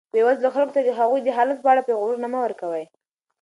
بېوزلو خلکو ته د هغوی د حالت په اړه پېغورونه مه ورکوئ.